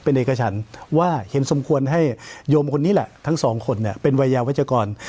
เป็นเอกชันว่าเห็นสมควรให้โยมคนนี้แหละทั้งสองคนเนี่ยเป็นวัยยาวัชกร